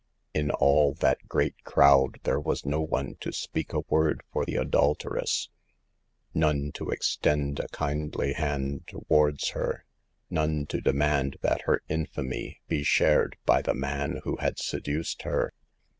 In all that great crowd there was no one to speak a word for the adulteress ; none to extend a kindly hand to wards her ; none to demand that her infamy be shared by the man who had seduced her.